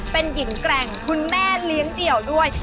เป็นหญิงแกร่งคุณแม่เลี้ยงเดี่ยวด้วย